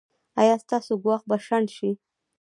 ایا ستاسو ګواښ به شنډ شي؟